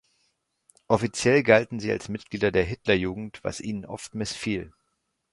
Offiziell galten sie als Mitglieder der Hitlerjugend, was ihnen oft missfiel.